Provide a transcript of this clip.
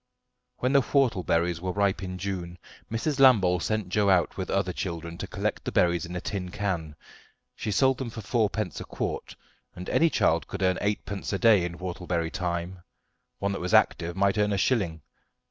When the whortleberries were ripe in June, Mrs. Lambole sent Joe out with other children to collect the berries in a tin can; she sold them for fourpence a quart, and any child could earn eightpence a day in whortleberry time; one that was active might earn a shilling.